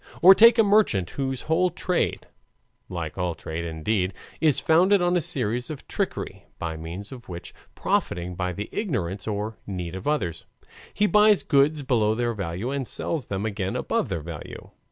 Or take a merchant whose whole trade like all trade indeed is founded on a series of trickery, by means of which, profiting by the ignorance or need of others, he buys goods below their value and sells them again above their value.